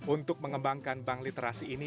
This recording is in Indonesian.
untuk mengembangkan bank literasi ini